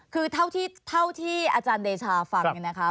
คือเท่าที่อาจารย์เดชาฟังเนี่ยนะคะ